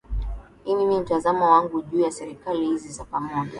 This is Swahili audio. i mimi mtazamo wangu juu ya serikali hizi za pamoja